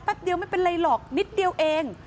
เดียวไม่เป็นไรหรอกนิดเดียวเอง